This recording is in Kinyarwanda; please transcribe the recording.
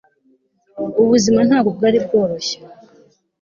ubuzima ntabwo bwari bworoshye